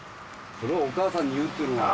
それをお母さんに言うっていうのは。